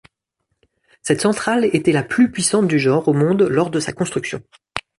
Cette centrale était la plus puissante du genre au monde lors de sa construction.